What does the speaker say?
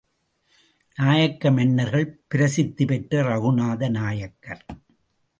நாயக்க மன்னர்களில் பிரசித்தி பெற்ற ரகுநாத நாயக்கர்.